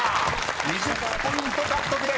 ２０ポイント獲得です］